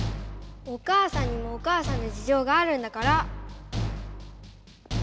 お母さんにもお母さんのじじょうがあるんだから！